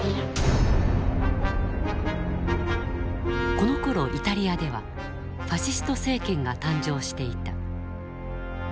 このころイタリアではファシスト政権が誕生していた。